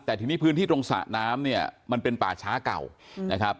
แต่ทีนี้พื้นที่ตรงสระน้ำเนี่ยมันเป็นป่าช้าเก่านะครับ